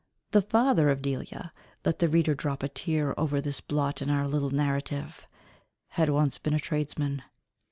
The father of Delia let the reader drop a tear over this blot in our little narrative had once been a tradesman.